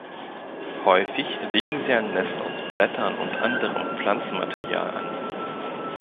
Häufig legen sie ein Nest aus Blättern und anderem Pflanzenmaterial an.